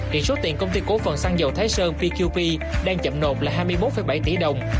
hiện số tiền công ty cổ phần xăng dầu thái sơn pqp đang chậm nộp là hai mươi một bảy tỷ đồng